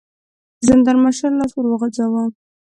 د زندان مشر لاس ور وغځاوه.